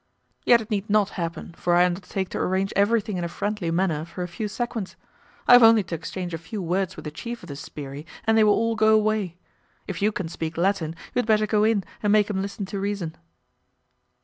Yet it need not happen, for I undertake to arrange everything in a friendly manner for a few sequins. I have only to exchange a few words with the chief of the 'sbirri', and they will all go away. If you can speak Latin, you had better go in, and make him listen to reason."